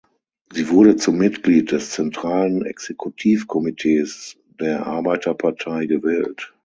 Sie wurde zum Mitglied des Zentralen Exekutivkomitees der Arbeiterpartei gewählt.